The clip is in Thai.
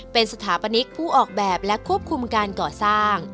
เป็นสถาปนิกผู้ออกแบบและควบคุมการก่อสร้าง